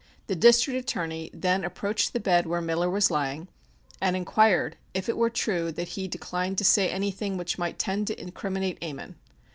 The District Attorney then approached the bed where Miller was lying and inquired if it were true that he declined to say anything which might tend to incriminate Ammon.